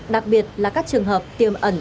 đặc biệt là các trường hợp tiềm ẩn